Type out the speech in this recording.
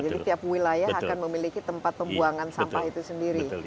jadi tiap wilayah akan memiliki tempat pembuangan sampah itu sendiri